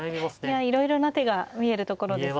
いやいろいろな手が見えるところですね。